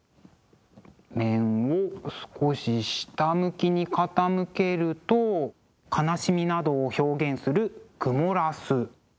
面を少し下向きに傾けると悲しみなどを表現するクモラス。